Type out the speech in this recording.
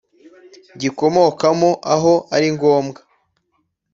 Gikomokamo aho ari ngombwa